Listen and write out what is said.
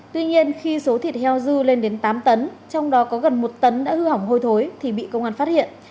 tuy nhiên khi số thịt heo dư lên đến tám tấn trong đó có gần một tấn đã hư hỏng hôi thối thì bị công an phát hiện